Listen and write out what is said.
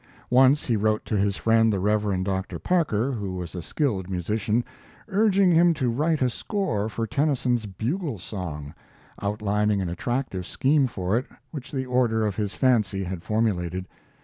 Once he wrote to his friend the Rev. Dr. Parker, who was a skilled musician, urging him to write a score for Tennyson's "Bugle Song," outlining an attractive scheme for it which the order of his fancy had formulated.